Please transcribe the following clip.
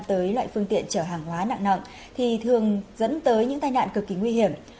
tới loại phương tiện chở hàng hóa nặng thì thường dẫn tới những tai nạn cực kỳ nguy hiểm